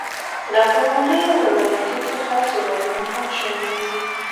له ګاونډيو ولاياتو څخه سيلانيان هم شامل وو.